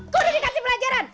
gua udah dikasih pelajaran